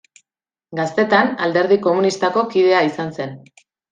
Gaztetan, Alderdi Komunistako kidea izan zen.